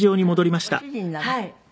はい。